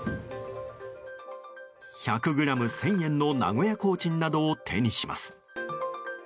１００ｇ＝１０００円の名古屋コーチンなどを手にします。